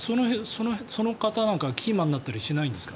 その方がキーマンになったりしないんですか？